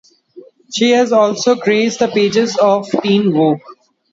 She has also graced the pages of "Teen Vogue".